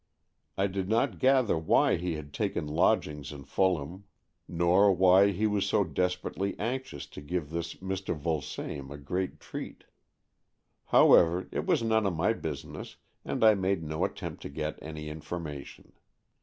I did not gather why he had taken lodgings in Fulham, nor 42 AN EXCHANGE OF SOULS why he was so desperately anxious to give this Mr. Vulsame a great treat. However, it was none of my business, and I made no aUempt to get any information.